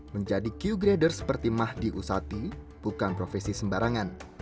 menjadi q grader seperti mahdi usati bukan profesi sembarangan